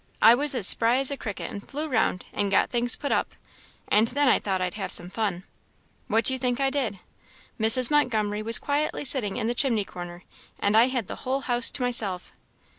I was as spry as a cricket, and flew round, and got things put up; and then I thought I'd have some fun. What do you think I did? Mrs. Montgomery was quietly sitting in the chimney corner, and I had the whole house to myself.